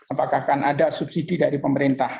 apakah akan ada subsidi dari pemerintah